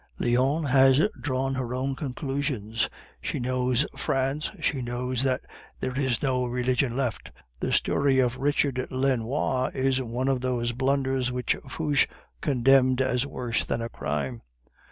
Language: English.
Lyons has drawn her own conclusions; she knows France, she knows that there is no religion left. The story of Richard Lenoir is one of those blunders which Fouche condemned as worse than a crime."